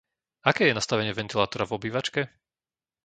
Aké je nastavenie ventilátora v obývačke?